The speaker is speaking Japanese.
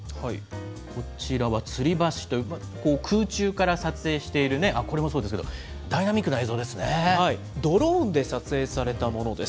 こちらはつり橋、空中から撮影している、これもそうですけど、ダドローンで撮影されたものです。